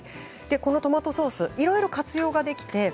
このトマトソースは、いろいろ活用ができます。